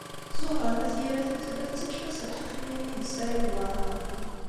Ẓuhṛa n At Yiraten tella tettakf-as lḥeqq i Lyamin n Saɛid Waɛmeṛ.